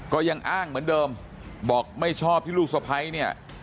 ก็ยังอ้างเหมือนเดิมบอกไม่ชอบที่ลูกสะพ้ายเนี่ย